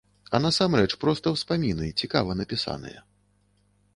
А насамрэч проста ўспаміны, цікава напісаныя.